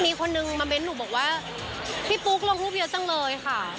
มีคนนึงมาเน้นหนูบอกว่าพี่ปุ๊กลงรูปเยอะจังเลยค่ะ